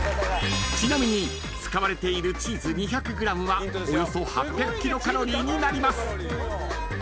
［ちなみに使われているチーズ２００ｇはおよそ８００キロカロリーになります］